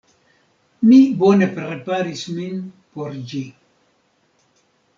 Mi bone preparis min por ĝi.